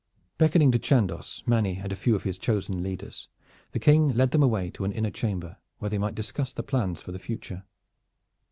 Beckoning to Chandos, Manny and a few of his chosen leaders, the King led them away to an inner chamber, where they might discuss the plans for the future.